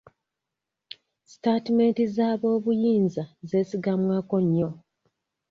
Sitatimenti z'aboobuyinza zeesigamwako nnyo.